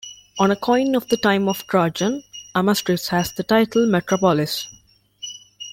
On a coin of the time of Trajan, Amastris has the title Metropolis.